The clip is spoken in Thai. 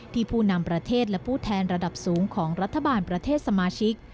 ผู้นำประเทศและผู้แทนระดับสูงของรัฐบาลประเทศสมาชิก